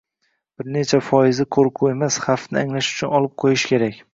bir necha foizini qoʻrquv emas, xavfni anglash uchun olib qolish kerak.